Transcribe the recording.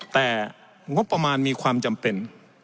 แต่งบประมาณมีความจำเป็น